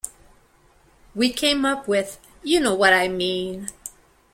'" "We came up with, 'You know what I mean.